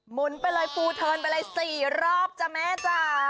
ไปเลยฟูเทิร์นไปเลย๔รอบจ้ะแม่จ๋า